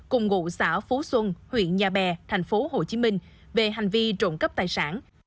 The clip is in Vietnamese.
cùng ngụ xã phú xuân huyện nhà bè tp hcm về hành vi trộm cắp tài sản